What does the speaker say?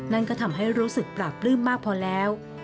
นั่นก็ทำให้รู้สึกปราบปลื้มมากพอแล้ว